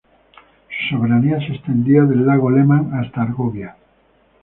Su soberanía se extendía del lago Lemán hasta Argovia.